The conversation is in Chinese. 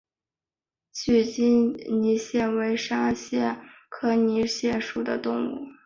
锯脚泥蟹为沙蟹科泥蟹属的动物。